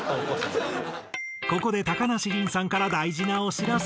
ここで高梨臨さんから大事なお知らせ。